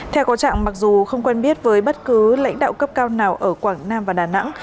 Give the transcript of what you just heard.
theo có trạng mặc dù không quen biết với bất cứ lãnh đạo cấp cao nào ở quảng nam và đà nẵng